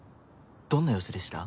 どんな様子でした？